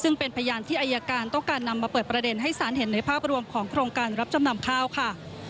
ซึ่งเป็นพยานที่อายการต้องการนำมาเปิดประเด็นให้สารเห็นในภาพรวมของโครงการรับจำนำข้าวค่ะ